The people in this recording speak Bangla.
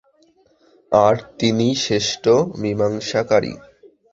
আর তিনিই শ্রেষ্ঠ মীমাংসাকারী।